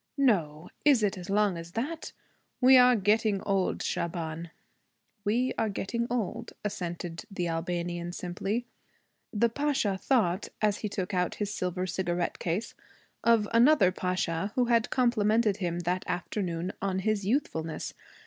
'No! Is it as long as that? We are getting old, Shaban.' 'We are getting old,' assented the Albanian simply. The Pasha thought, as he took out his silver cigarette case, of another pasha who had complimented him that afternoon on his youthfulness.